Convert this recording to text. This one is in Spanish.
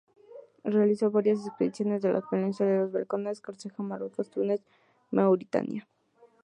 Realizó varias expediciones a la península de los Balcanes, Córcega, Marruecos, Túnez, Mauritania.